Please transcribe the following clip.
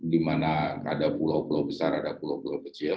di mana ada pulau pulau besar ada pulau pulau kecil